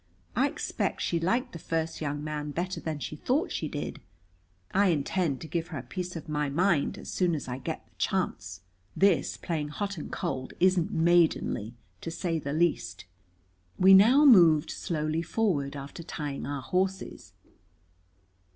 "I expect she liked the first young man better than she thought she did. I intend to give her a piece of my mind as soon as I get a chance. This playing hot and cold isn't maidenly, to say the least." We now moved slowly forward, after tying our horses.